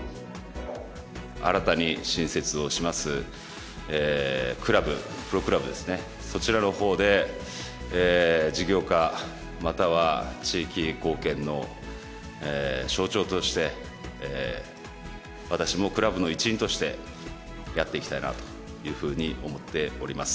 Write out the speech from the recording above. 新たに新設をしますクラブ、プロクラブですね、そちらのほうで事業課または地域貢献の象徴として、私もクラブの一員としてやっていきたいなというふうに思っております。